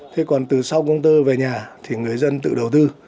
thế còn từ sau công tơ về nhà thì người dân tự đầu tư